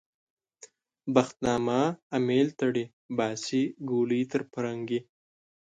بخت نامه امېل تړي - باسي ګولۍ تر پرنګي